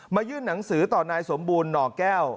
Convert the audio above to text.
ยื่นหนังสือต่อนายสมบูรณ์หน่อแก้ว